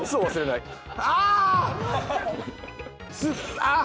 あっ。